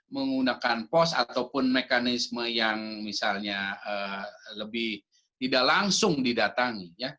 menggunakan pos ataupun mekanisme yang misalnya lebih tidak langsung didatangi